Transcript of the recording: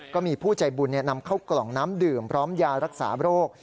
ก็มีผู้ใจบุญนำเข้ากล่องน้ำดื่มพร้อมยารักษาโรค